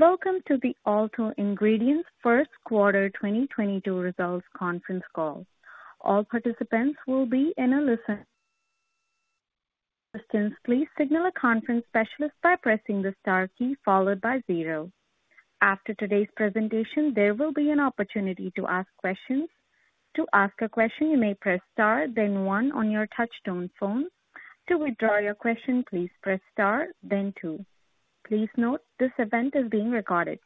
Welcome to the Alto Ingredients Q1 2022 results conference call. All participants will be in listen-only. Please signal a conference specialist by pressing the star key followed by zero. After today's presentation, there will be an opportunity to ask questions. To ask a question, you may press star then one on your touchtone phone. To withdraw your question, please press star then two. Please note this event is being recorded.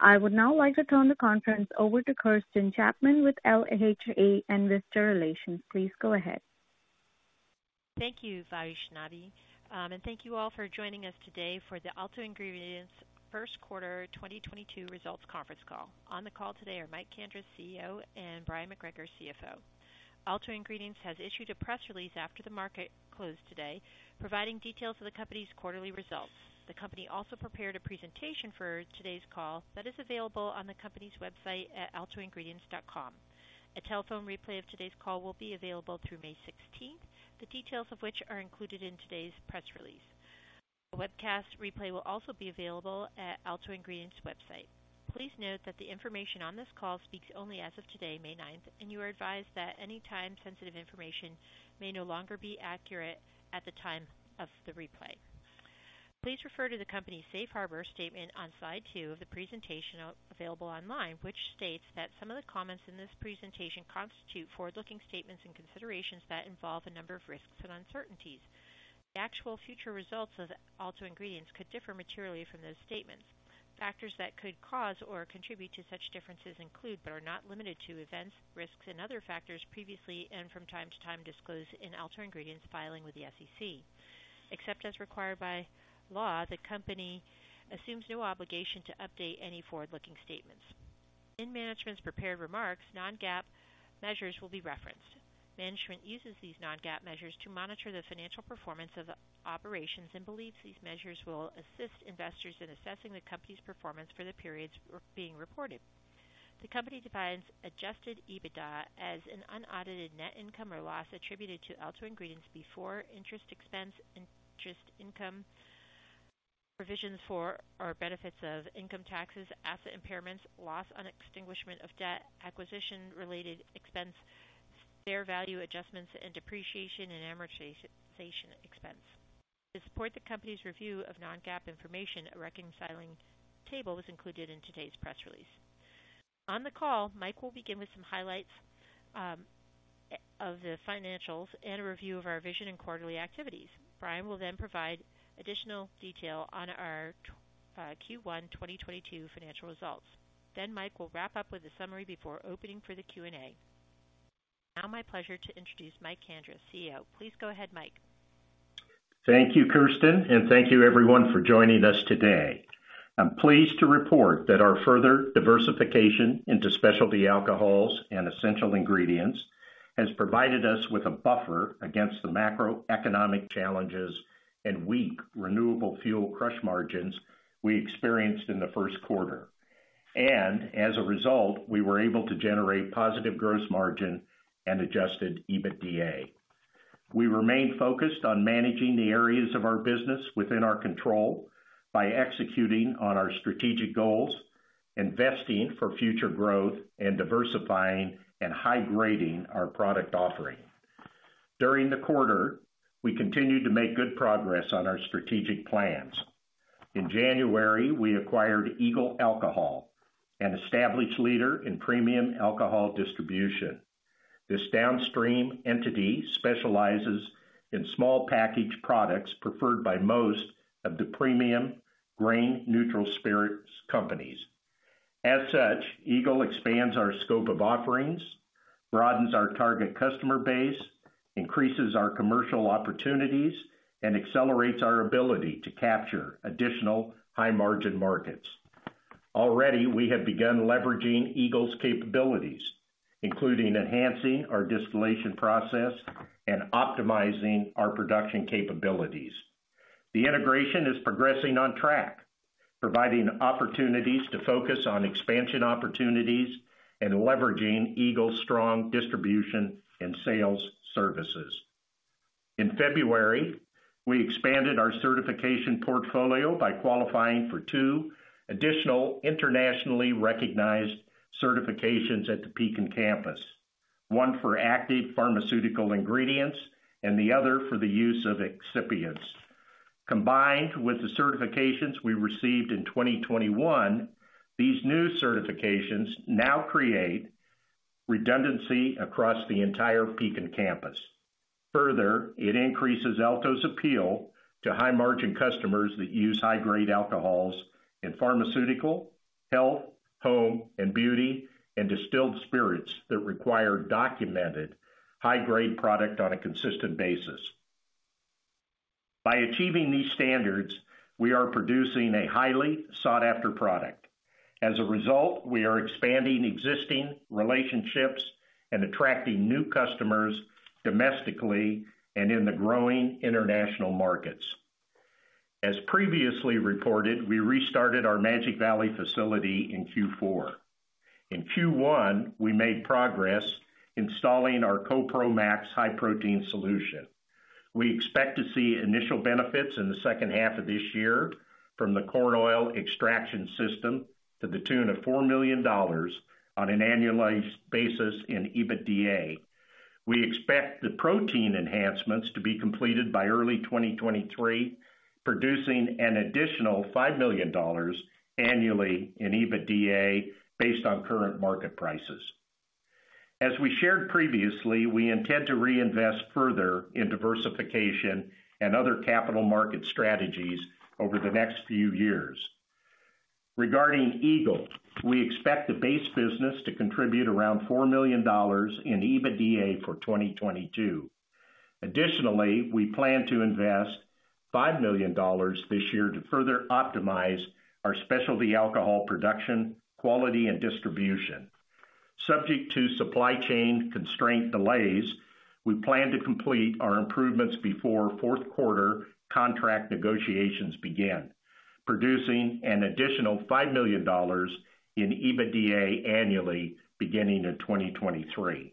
I would now like to turn the conference over to Kirsten Chapman with LHA Investor Relations. Please go ahead. Thank you, Vaishnavi. Thank you all for joining us today for the Alto Ingredients Q1 2022 results conference call. On the call today are Mike Kandris, CEO, and Bryon McGregor, CFO. Alto Ingredients has issued a press release after the market closed today, providing details of the company's quarterly results. The company also prepared a presentation for today's call that is available on the company's website at altoingredients.com. A telephone replay of today's call will be available through May 16. The details of which are included in today's press release. A webcast replay will also be available at Alto Ingredients website. Please note that the information on this call speaks only as of today, May 9th, and you are advised that any time sensitive information may no longer be accurate at the time of the replay. Please refer to the company's safe harbor statement on slide 2 of the presentation available online, which states that some of the comments in this presentation constitute forward-looking statements and considerations that involve a number of risks and uncertainties. The actual future results of Alto Ingredients could differ materially from those statements. Factors that could cause or contribute to such differences include, but are not limited to, events, risks, and other factors previously and from time to time disclosed in Alto Ingredients' filings with the SEC. Except as required by law, the company assumes no obligation to update any forward-looking statements. In management's prepared remarks, non-GAAP measures will be referenced. Management uses these non-GAAP measures to monitor the financial performance of operations and believes these measures will assist investors in assessing the company's performance for the periods being reported. The company defines adjusted EBITDA as an unaudited net income or loss attributed to Alto Ingredients before interest expense, interest income, provisions for or benefits of income taxes, asset impairments, loss on extinguishment of debt, acquisition related expense, fair value adjustments, and depreciation and amortization expense. To support the company's review of non-GAAP information, a reconciling table was included in today's press release. On the call, Mike will begin with some highlights of the financials and a review of our vision and quarterly activities. Bryon will then provide additional detail on our Q1 2022 financial results. Then Mike will wrap up with a summary before opening for the Q&A. Now it's my pleasure to introduce Mike Kandris, CEO. Please go ahead, Mike. Thank you, Kirsten, and thank you everyone for joining us today. I'm pleased to report that our further diversification into specialty alcohols and essential ingredients has provided us with a buffer against the macroeconomic challenges and weak renewable fuel crush margins we experienced in the Q1. As a result, we were able to generate positive gross margin and adjusted EBITDA. We remain focused on managing the areas of our business within our control by executing on our strategic goals, investing for future growth, and diversifying and high-grading our product offering. During the quarter, we continued to make good progress on our strategic plans. In January, we acquired Eagle Alcohol, an established leader in premium alcohol distribution. This downstream entity specializes in small package products preferred by most of the premium grain-neutral spirits companies. As such, Eagle expands our scope of offerings, broadens our target customer base, increases our commercial opportunities, and accelerates our ability to capture additional high-margin markets. Already, we have begun leveraging Eagle's capabilities, including enhancing our distillation process and optimizing our production capabilities. The integration is progressing on track, providing opportunities to focus on expansion opportunities and leveraging Eagle's strong distribution and sales services. In February, we expanded our certification portfolio by qualifying for two additional internationally recognized certifications at the Pekin campus, one for active pharmaceutical ingredients and the other for the use of excipients. Combined with the certifications we received in 2021, these new certifications now create redundancy across the entire Pekin campus. Further, it increases Alto's appeal to high-margin customers that use high-grade alcohols in pharmaceutical, health, home and beauty, and distilled spirits that require documented high-grade product on a consistent basis. By achieving these standards, we are producing a highly sought-after product. As a result, we are expanding existing relationships and attracting new customers domestically and in the growing international markets. As previously reported, we restarted our Magic Valley facility in Q4. In Q1, we made progress installing our CoPro Max high-protein solution. We expect to see initial benefits in the H2 of this year from the corn oil extraction system to the tune of $4 million on an annualized basis in EBITDA. We expect the protein enhancements to be completed by early 2023, producing an additional $5 million annually in EBITDA based on current market prices. As we shared previously, we intend to reinvest further in diversification and other capital market strategies over the next few years. Regarding Eagle, we expect the base business to contribute around $4 million in EBITDA for 2022. Additionally, we plan to invest $5 million this year to further optimize our specialty alcohol production, quality, and distribution. Subject to supply chain constraint delays, we plan to complete our improvements before Q4 contract negotiations begin, producing an additional $5 million in EBITDA annually beginning in 2023.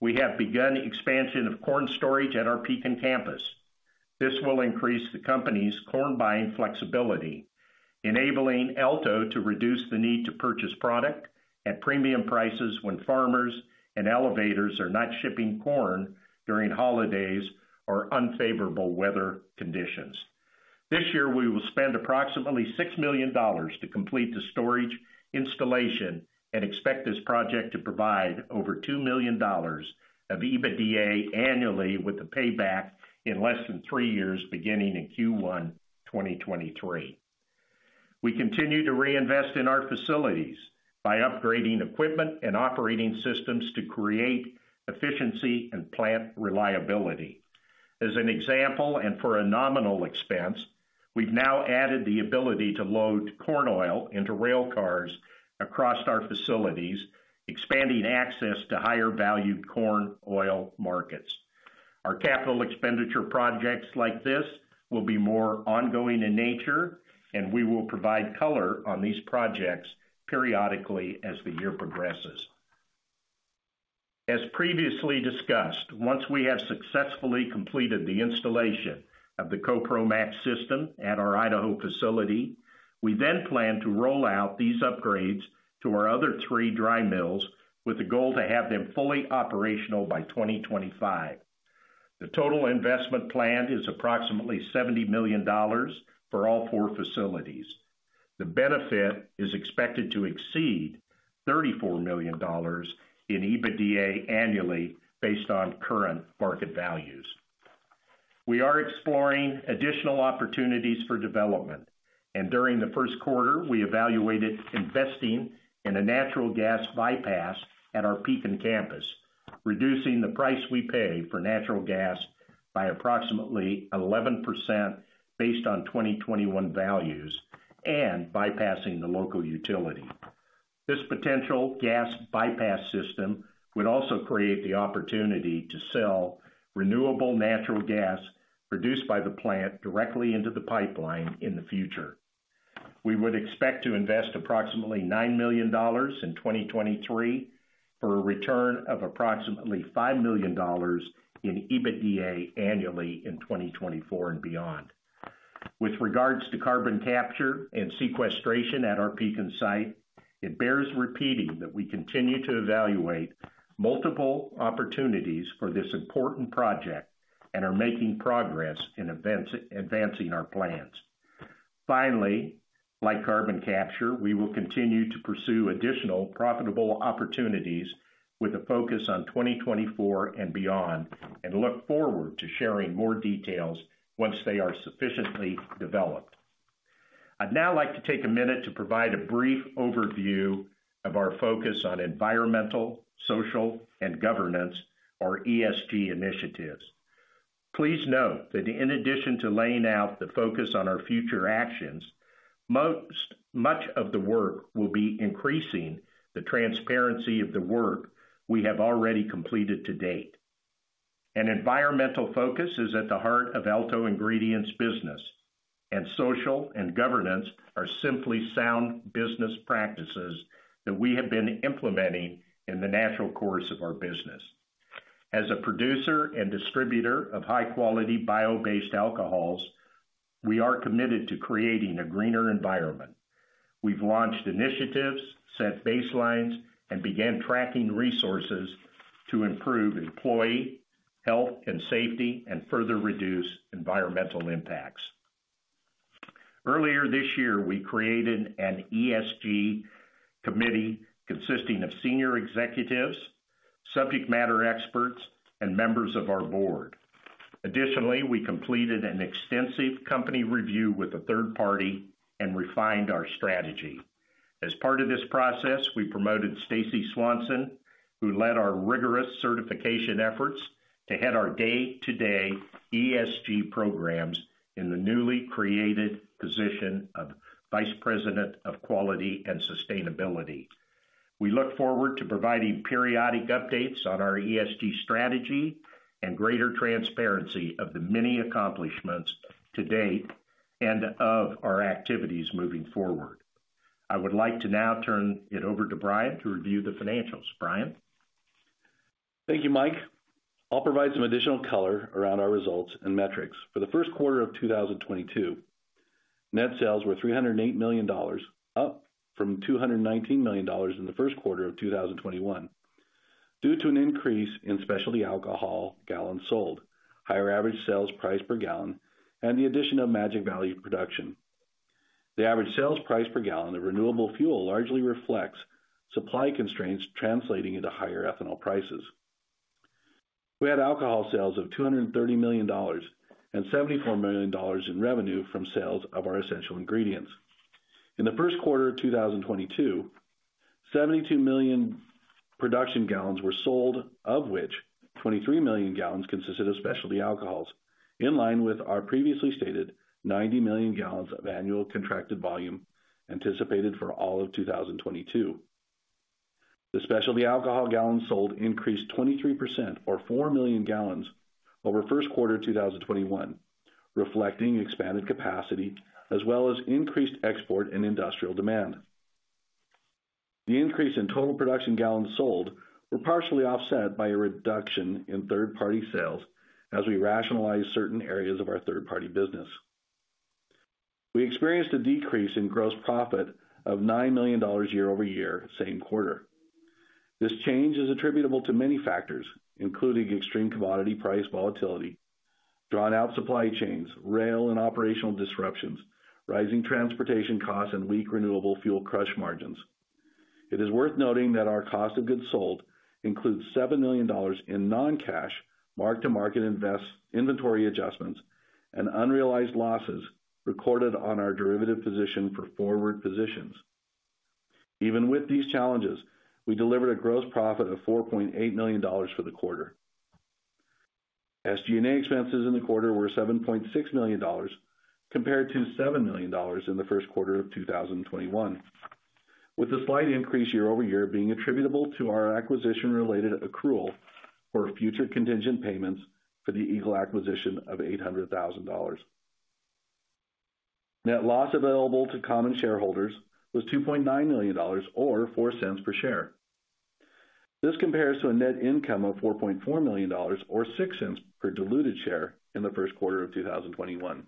We have begun expansion of corn storage at our Pekin campus. This will increase the company's corn buying flexibility, enabling Alto to reduce the need to purchase product at premium prices when farmers and elevators are not shipping corn during holidays or unfavorable weather conditions. This year, we will spend approximately $6 million to complete the storage installation and expect this project to provide over $2 million of EBITDA annually with the payback in less than three years, beginning in Q1 2023. We continue to reinvest in our facilities by upgrading equipment and operating systems to create efficiency and plant reliability. As an example, and for a nominal expense, we've now added the ability to load corn oil into rail cars across our facilities, expanding access to higher-value corn oil markets. Our capital expenditure projects like this will be more ongoing in nature, and we will provide color on these projects periodically as the year progresses. As previously discussed, once we have successfully completed the installation of the CoProMax system at our Idaho facility, we then plan to roll out these upgrades to our other three dry mills with the goal to have them fully operational by 2025. The total investment plan is approximately $70 million for all four facilities. The benefit is expected to exceed $34 million in EBITDA annually based on current market values. We are exploring additional opportunities for development, and during the Q1, we evaluated investing in a natural gas bypass at our Pekin campus, reducing the price we pay for natural gas by approximately 11% based on 2021 values and bypassing the local utility. This potential gas bypass system would also create the opportunity to sell renewable natural gas produced by the plant directly into the pipeline in the future. We would expect to invest approximately $9 million in 2023 for a return of approximately $5 million in EBITDA annually in 2024 and beyond. With regards to carbon capture and sequestration at our Pekin site, it bears repeating that we continue to evaluate multiple opportunities for this important project and are making progress in advancing our plans. Finally, like carbon capture, we will continue to pursue additional profitable opportunities with a focus on 2024 and beyond and look forward to sharing more details once they are sufficiently developed. I'd now like to take a minute to provide a brief overview of our focus on environmental, social, and governance or ESG initiatives. Please note that in addition to laying out the focus on our future actions, much of the work will be increasing the transparency of the work we have already completed to date. An environmental focus is at the heart of Alto Ingredients business, and social and governance are simply sound business practices that we have been implementing in the natural course of our business. As a producer and distributor of high-quality bio-based alcohols, we are committed to creating a greener environment. We've launched initiatives, set baselines, and began tracking resources to improve employee health and safety and further reduce environmental impacts. Earlier this year, we created an ESG committee consisting of senior executives, subject matter experts, and members of our board. Additionally, we completed an extensive company review with a third party and refined our strategy. As part of this process, we promoted Stacy Swanson, who led our rigorous certification efforts to head our day-to-day ESG programs in the newly created position of Vice President of Quality and Sustainability. We look forward to providing periodic updates on our ESG strategy and greater transparency of the many accomplishments to date. Of our activities moving forward. I would like to now turn it over to Bryon McGregor to review the financials. Bryon McGregor? Thank you, Mike. I'll provide some additional color around our results and metrics. For the Q1 of 2022, net sales were $308 million, up from $219 million in the Q1 of 2021 due to an increase in specialty alcohol gallons sold, higher average sales price per gallon, and the addition of Magic Valley production. The average sales price per gallon of renewable fuel largely reflects supply constraints translating into higher ethanol prices. We had alcohol sales of $230 million and $74 million in revenue from sales of our essential ingredients. In the Q1 of 2022, 72 million production gallons were sold, of which 23 million gallons consisted of specialty alcohols, in line with our previously stated 90 million gallons of annual contracted volume anticipated for all of 2022. The specialty alcohol gallons sold increased 23% or 4 million gallons over Q1 2021, reflecting expanded capacity as well as increased export and industrial demand. The increase in total production gallons sold were partially offset by a reduction in third-party sales as we rationalize certain areas of our third-party business. We experienced a decrease in gross profit of $9 million year-over-year same quarter. This change is attributable to many factors, including extreme commodity price volatility, drawn out supply chains, rail and operational disruptions, rising transportation costs and weak renewable fuel crush margins. It is worth noting that our cost of goods sold includes $7 million in non-cash mark-to-market inventory adjustments and unrealized losses recorded on our derivative position for forward positions. Even with these challenges, we delivered a gross profit of $4.8 million for the quarter. SG&A expenses in the quarter were $7.6 million compared to $7 million in the Q1 of 2021, with a slight increase year over year being attributable to our acquisition-related accrual for future contingent payments for the Eagle acquisition of $800,000. Net loss available to common shareholders was $2.9 million or $0.04 per share. This compares to a net income of $4.4 million or $0.06 per diluted share in the Q1 of 2021.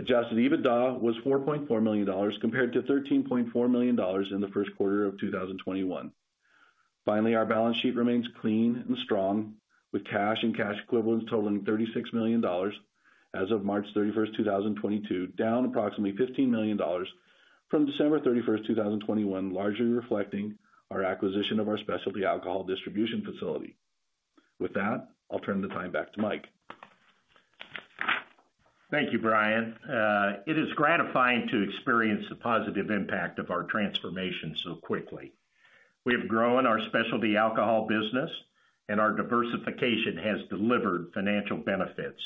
Adjusted EBITDA was $4.4 million compared to $13.4 million in the Q1 of 2021. Finally, our balance sheet remains clean and strong, with cash and cash equivalents totaling $36 million as of March 31st, 2022, down approximately $15 million from December 31st, 2021, largely reflecting our acquisition of our specialty alcohol distribution facility. With that, I'll turn the time back to Mike. Thank you, Bryon. It is gratifying to experience the positive impact of our transformation so quickly. We have grown our specialty alcohol business and our diversification has delivered financial benefits.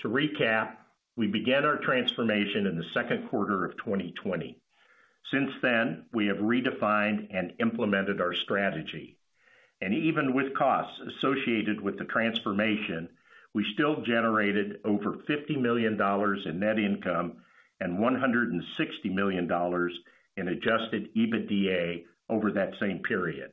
To recap, we began our transformation in the Q2 of 2020. Since then, we have redefined and implemented our strategy. Even with costs associated with the transformation, we still generated over $50 million in net income and $160 million in adjusted EBITDA over that same period.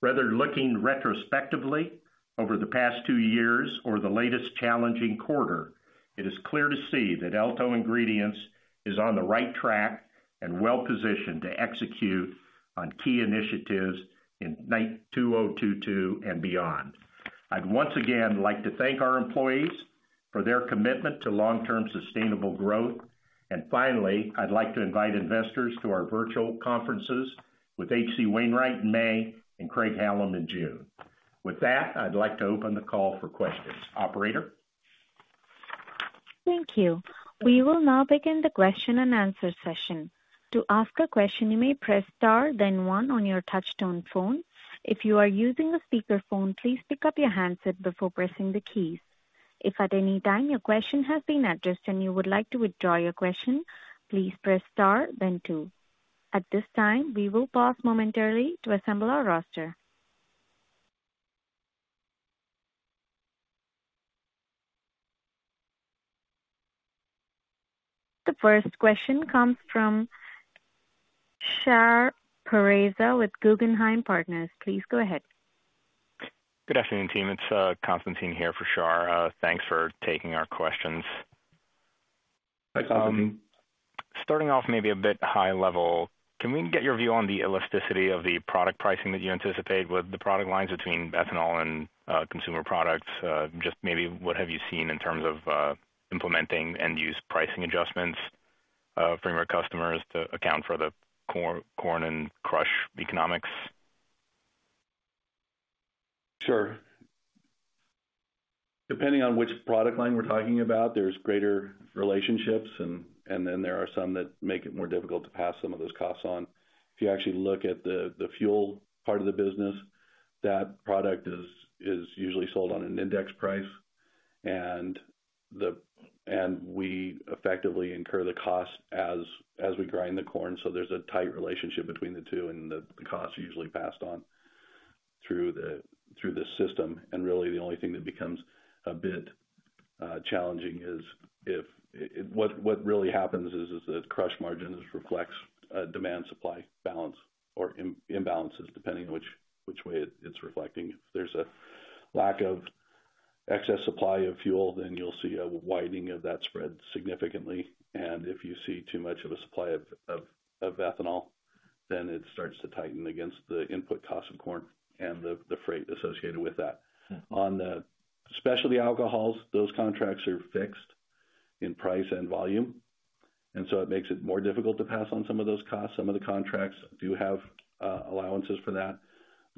Whether looking retrospectively over the past two years or the latest challenging quarter, it is clear to see that Alto Ingredients is on the right track and well-positioned to execute on key initiatives in 2022 and beyond. I'd once again like to thank our employees for their commitment to long-term sustainable growth. Finally, I'd like to invite investors to our virtual conferences with H.C. Wainwright in May and Craig-Hallum in June. With that, I'd like to open the call for questions. Operator? Thank you. We will now begin the question-and-answer session. To ask a question, you may press star then one on your touchtone phone. If you are using a speakerphone, please pick up your handset before pressing the keys. If at any time your question has been addressed and you would like to withdraw your question, please press star then two. At this time, we will pause momentarily to assemble our roster. The first question comes from Shar Pourreza with Guggenheim Partners. Please go ahead. Good afternoon, team. It's Constantine here for Shar. Thanks for taking our questions. Thanks, Constantine. Starting off maybe a bit high level, can we get your view on the elasticity of the product pricing that you anticipate with the product lines between ethanol and consumer products? Just maybe what have you seen in terms of implementing end-use pricing adjustments from your customers to account for the corn and crush economics? Sure. Depending on which product line we're talking about, there's greater relationships and then there are some that make it more difficult to pass some of those costs on. If you actually look at the fuel part of the business, that product is usually sold on an index price and we effectively incur the cost as we grind the corn. There's a tight relationship between the two and the cost is usually passed on through the system. Really the only thing that becomes a bit challenging is if what really happens is that crush margins reflects a demand supply balance or imbalances, depending on which way it's reflecting. If there's a lack of excess supply of fuel, then you'll see a widening of that spread significantly. If you see too much of a supply of ethanol, then it starts to tighten against the input cost of corn and the freight associated with that. On the specialty alcohols, those contracts are fixed in price and volume, it makes it more difficult to pass on some of those costs. Some of the contracts do have allowances for that.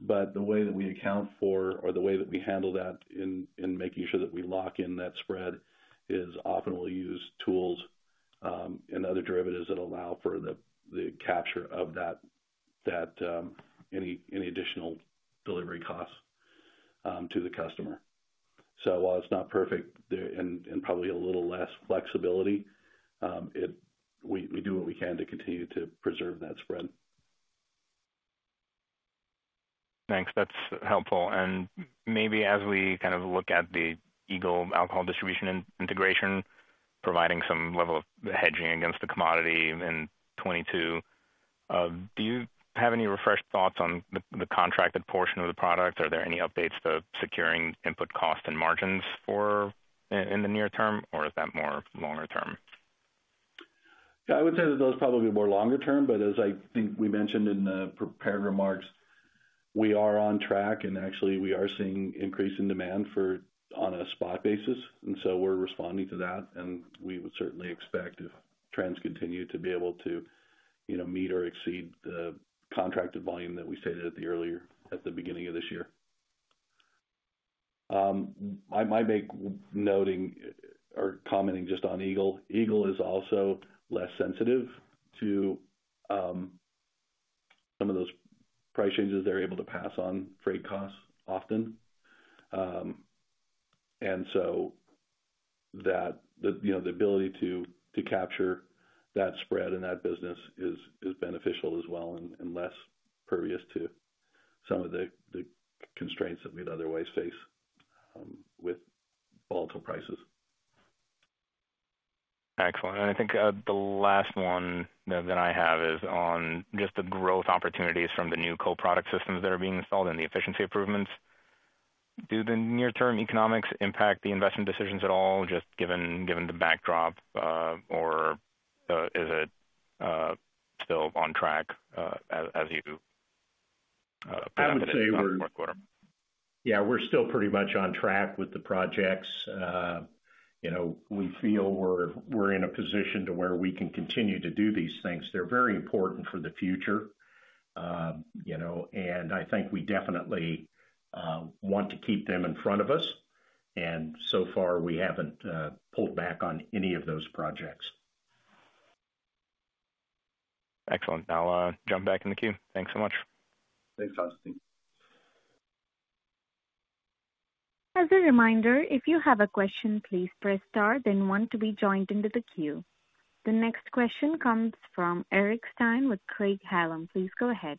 The way that we account for, or the way that we handle that in making sure that we lock in that spread, is often we'll use tools and other derivatives that allow for the capture of that any additional delivery costs to the customer. While it's not perfect there and probably a little less flexibility, we do what we can to continue to preserve that spread. Thanks. That's helpful. Maybe as we kind of look at the Eagle Alcohol distribution integration, providing some level of hedging against the commodity in 2022, do you have any refreshed thoughts on the contracted portion of the product? Are there any updates to securing input cost and margins in the near term, or is that more longer term? Yeah, I would say that those are probably more longer term, but as I think we mentioned in the prepared remarks, we are on track, and actually we are seeing increase in demand on a spot basis, and so we're responding to that. We would certainly expect if trends continue to be able to, you know, meet or exceed the contracted volume that we stated at the beginning of this year. I might note or comment just on Eagle. Eagle is also less sensitive to some of those price changes. They're able to pass on freight costs often. And so, the ability to capture that spread in that business is beneficial as well and less subject to some of the constraints that we'd otherwise face with volatile prices. Excellent. I think the last one that I have is on just the growth opportunities from the new co-product systems that are being installed and the efficiency improvements. Do the near-term economics impact the investment decisions at all, just given the backdrop, or is it still on track as you, I would say we're. Look at the Q4? Yeah, we're still pretty much on track with the projects. You know, we feel we're in a position to where we can continue to do these things. They're very important for the future. You know, I think we definitely want to keep them in front of us. So far, we haven't pulled back on any of those projects. Excellent. I'll jump back in the queue. Thanks so much. Thanks, Constantine. As a reminder, if you have a question, please press star then one to be joined into the queue. The next question comes from Eric Stine with Craig-Hallum. Please go ahead.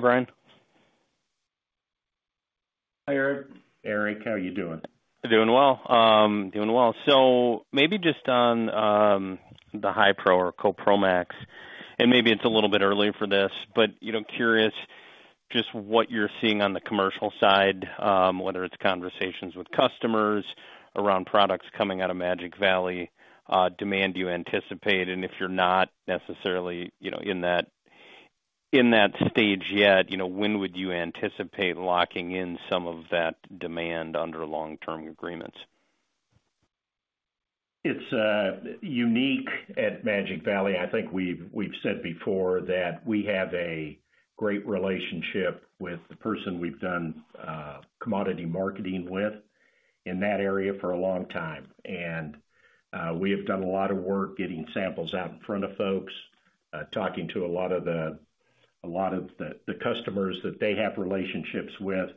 Brian. Hi, Eric. Eric, how are you doing? Doing well. Doing well. Maybe just on the Hi-Pro or CoProMax, and maybe it's a little bit early for this, but, you know, curious just what you're seeing on the commercial side, whether it's conversations with customers around products coming out of Magic Valley, demand you anticipate, and if you're not necessarily, you know, in that stage yet, you know, when would you anticipate locking in some of that demand under long-term agreements? It's unique at Magic Valley. I think we've said before that we have a great relationship with the person we've done commodity marketing with in that area for a long time. We have done a lot of work getting samples out in front of folks, talking to a lot of the customers that they have relationships with.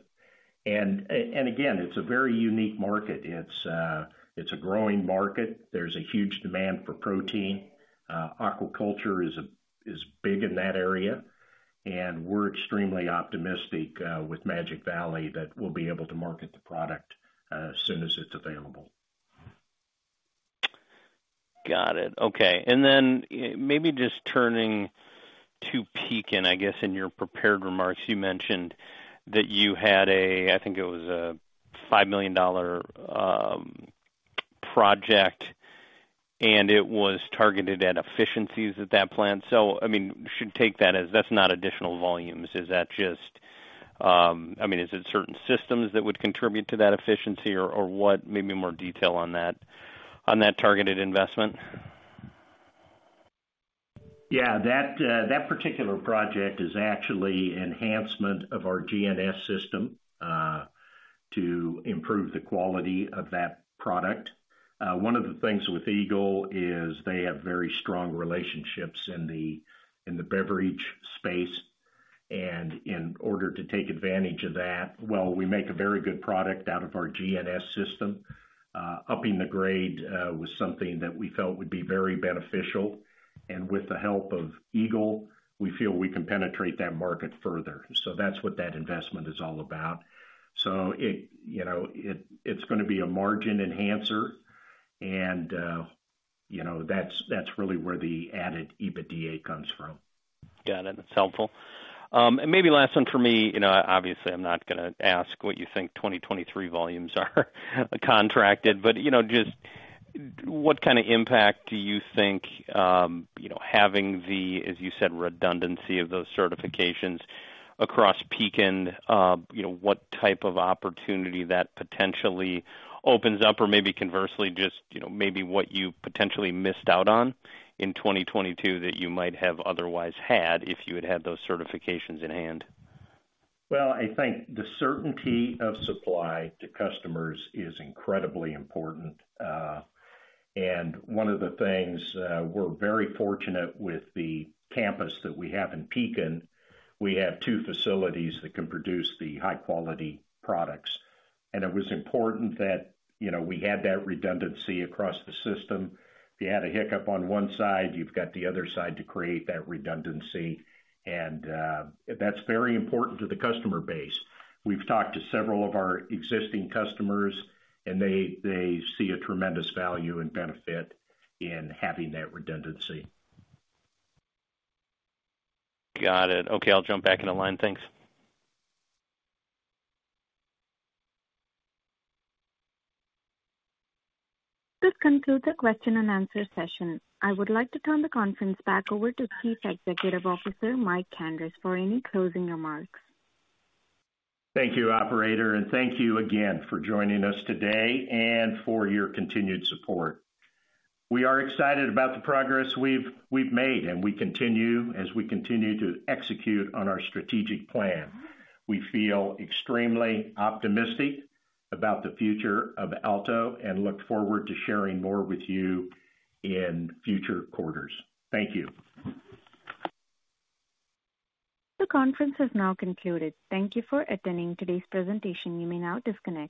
Again, it's a very unique market. It's a growing market. There's a huge demand for protein. Aquaculture is big in that area, and we're extremely optimistic with Magic Valley that we'll be able to market the product as soon as it's available. Got it. Okay. Maybe just turning to Pekin, I guess in your prepared remarks, you mentioned that you had a, I think it was a $5 million project, and it was targeted at efficiencies at that plant. I mean, we should take that as that's not additional volumes. Is that just, I mean, is it certain systems that would contribute to that efficiency or what? Maybe more detail on that, on that targeted investment. Yeah, that particular project is actually enhancement of our GNS system to improve the quality of that product. One of the things with Eagle is they have very strong relationships in the beverage space. In order to take advantage of that, while we make a very good product out of our GNS system, upping the grade was something that we felt would be very beneficial. With the help of Eagle, we feel we can penetrate that market further. That's what that investment is all about. It, you know, it's gonna be a margin enhancer and, you know, that's really where the added EBITDA comes from. Got it. That's helpful. Maybe last one for me, you know, obviously I'm not gonna ask what you think 2023 volumes are contracted, but, you know, just what kind of impact do you think, you know, having the, as you said, redundancy of those certifications across Pekin, you know, what type of opportunity that potentially opens up or maybe conversely just, you know, maybe what you potentially missed out on in 2022 that you might have otherwise had if you had had those certifications in hand? Well, I think the certainty of supply to customers is incredibly important. One of the things we're very fortunate with the campus that we have in Pekin, we have two facilities that can produce the high-quality products. It was important that, you know, we had that redundancy across the system. If you had a hiccup on one side, you've got the other side to create that redundancy. That's very important to the customer base. We've talked to several of our existing customers, and they see a tremendous value and benefit in having that redundancy. Got it. Okay, I'll jump back in the line. Thanks. This concludes the question and answer session. I would like to turn the conference back over to Chief Executive Officer Mike Kandris for any closing remarks. Thank you, operator, and thank you again for joining us today and for your continued support. We are excited about the progress we've made, and we continue to execute on our strategic plan. We feel extremely optimistic about the future of Alto and look forward to sharing more with you in future quarters. Thank you. The conference has now concluded. Thank you for attending today's presentation. You may now disconnect.